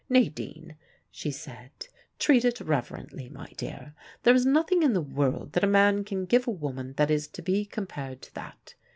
"Nadine," she said, "treat it reverently, my dear. There is nothing in the world that a man can give a woman that is to be compared to that.